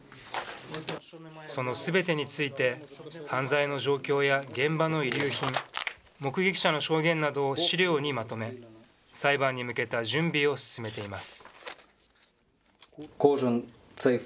そのすべてについて、犯罪の状況や現場の遺留品、目撃者の証言などを資料にまとめ、裁判に向けた準備を進めています。